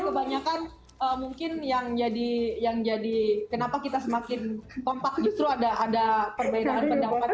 kebanyakan mungkin yang jadi yang jadi kenapa kita semakin kompak itu ada ada perbedaan pendapat